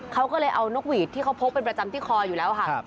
เขาก็เลยเอานกหวีดที่เขาพกเป็นประจำที่คออยู่แล้วค่ะ